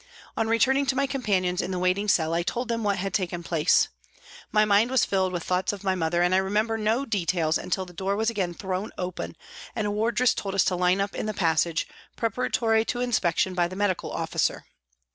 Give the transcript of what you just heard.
On returning to my companions in the waiting cell I told them what had taken place. My mind was filled with thoughts of my mother and I remember no details until the door was again thrown open and a wardress told us to line up in the passage, preparatory to inspection by the medical officer.